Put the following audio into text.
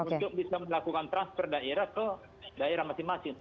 untuk bisa melakukan transfer daerah ke daerah masing masing